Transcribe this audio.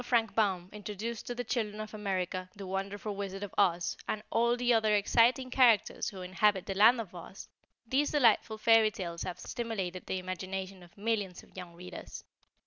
Frank Baum introduced to the children of America, THE WONDERFUL WIZARD OF OZ and all the other exciting characters who inhabit the land of Oz, these delightful fairy tales have stimulated the imagination of millions of young readers.